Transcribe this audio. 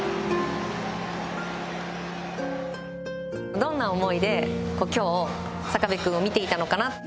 どんな思いできょう坂部君を見ていたのかな？